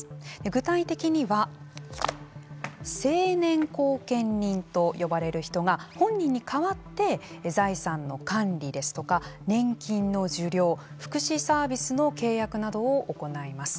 具体的には、成年後見人と呼ばれる人が、本人に代わって財産の管理ですとか年金の受領、福祉サービスの契約などを行います。